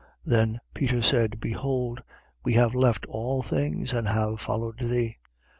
18:28. Then Peter said: Behold, we have left all things and have followed thee.